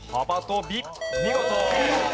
見事！